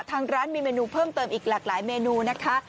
ทางร้านมีเมนูเพิ่มเติมอีกหลากหลายเมนูนะคะ